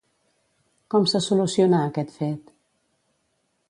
Com se solucionà aquest fet?